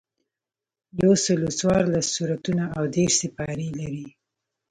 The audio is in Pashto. یوسلو څوارلس سورتونه او دېرش سپارې لري.